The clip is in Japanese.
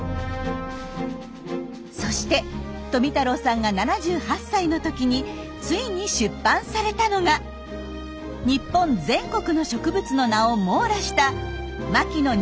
そして富太郎さんが７８歳の時についに出版されたのが日本全国の植物の名を網羅した「牧野日本植物図鑑」でした。